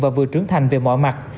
và vừa trưởng thành về mọi mặt